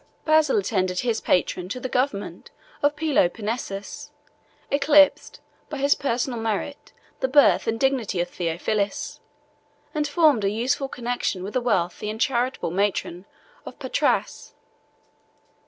Basil attended his patron to the government of Peloponnesus; eclipsed, by his personal merit the birth and dignity of Theophilus, and formed a useful connection with a wealthy and charitable matron of Patras.